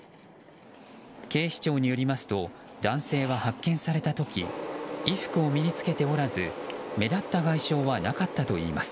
警視庁によりますと男性は発見された時衣服を身に着けておらず目立った外傷はなかったといいます。